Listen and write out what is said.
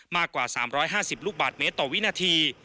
มากกว่า๓๕๐ลูกบาทเมตรต่อวินาที